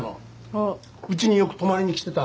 そううちによく泊まりにきてた？